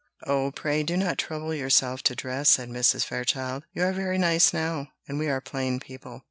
"Oh, pray do not trouble yourself to dress," said Mrs. Fairchild; "you are very nice now, and we are plain people."